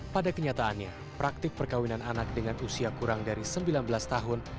pada kenyataannya praktik perkawinan anak dengan usia kurang dari sembilan belas tahun